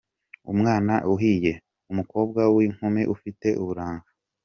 Umwana uhiye : umukobwa w’inkumi ufite uburanga .